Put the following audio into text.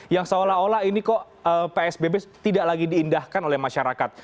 yang seolah olah ini kok psbb tidak lagi diindahkan oleh masyarakat